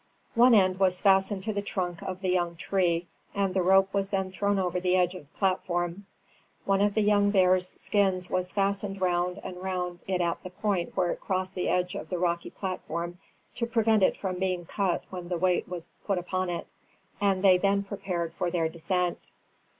One end was fastened to the trunk of the young tree, and the rope was then thrown over the edge of the platform. One of the young bear's skins was fastened round and round it at the point where it crossed the edge of the rocky platform, to prevent it from being cut when the weight was put upon it, and they then prepared for their descent.